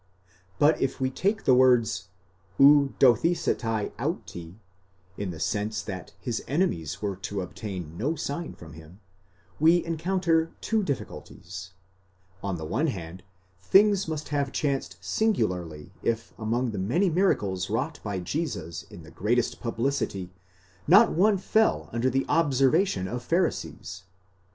But if we take the words οὐ δοθήσεται αὐτῇ in the sense that his enemies were to obtain no sign from him, we encounter two difficulties : on the one hand, things must have chanced singularly if among the many miracles wrought by Jesus in the greatest publicity, not one fell under the MIRACLES OF JESUS.